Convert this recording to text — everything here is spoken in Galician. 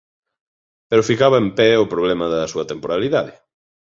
Pero ficaba en pé o problema da súa temporalidade.